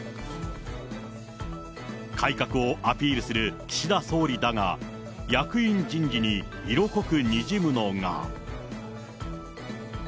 改革をアピールする岸田総理だが、役員人事に色濃くにじむのが。